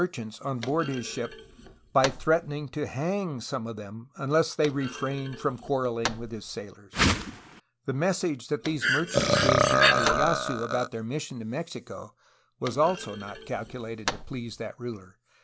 THE JAPANESE OPPORTUNITY IN THE PACIFIC 37 hang some of them unless they refrained from quarreling with his sailors. The message that these merchants gave to lyeyasu about their mission to Mexico was also not calcu lated to please that ruler.